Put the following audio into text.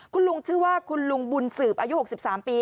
คุณลุงชื่อว่าคุณลุงบุญสืบอายุหกสิบสามปี